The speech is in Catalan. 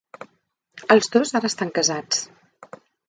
Els dos ara estan casats.